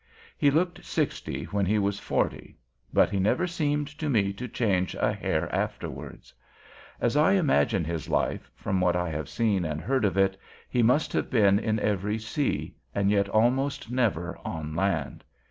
He looked sixty when he was forty. But he never seemed to me to change a hair afterwards. As I imagine his life, from what I have seen and heard of it, he must have been in every sea, and yet almost never on land.